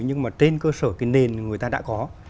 nhưng mà trên cơ sở cái nền người ta đã có